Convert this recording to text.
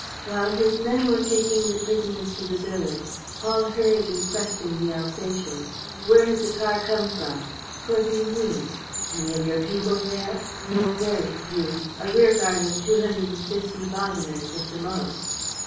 While his men were taking the prisoners to the village, Paul hurriedly questioned the Alsatian: "Where has the car come from?" "Corvigny." "Any of your people there?" "Very few. A rearguard of two hundred and fifty Badeners at the most."